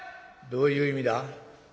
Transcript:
「どういう意味だ？」。